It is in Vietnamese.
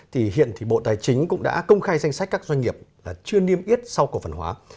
thì hiện thì bộ tài chính cũng đã công khai danh sách các doanh nghiệp là chưa niêm yết sau cổ phần hóa